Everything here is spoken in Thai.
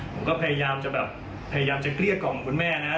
ผมก็พยายามจะแบบพยายามจะเกลี้ยกล่อมคุณแม่นะครับ